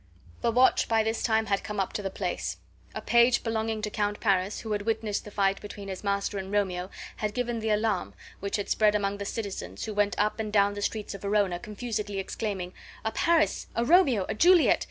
The watch by this time had come up to the place. A page belonging to Count Paris, who had witnessed the fight between his master and Romeo, had given the alarm, which had spread among the citizens, who went up and down the streets of Verona confusedly exclaiming, "A Paris! a Romeo! a Juliet!"